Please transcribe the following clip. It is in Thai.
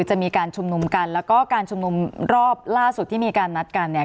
จะมีการชุมนุมกันแล้วก็การชุมนุมรอบล่าสุดที่มีการนัดกันเนี่ย